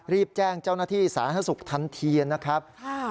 รีบแจ้งเจ้าหน้าที่สาธารณสุขทันทีนะครับ